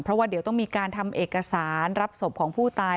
เพราะว่าเดี๋ยวต้องมีการทำเอกสารรับศพของผู้ตาย